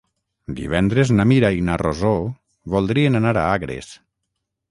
Divendres na Mira i na Rosó voldrien anar a Agres.